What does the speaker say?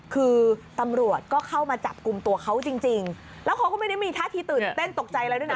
คือตำรวจก็เข้ามาจับกลุ่มตัวเขาจริงแล้วเขาก็ไม่ได้มีท่าที่ตื่นเต้นตกใจอะไรด้วยนะ